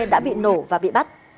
đã bị nổ và bị bắt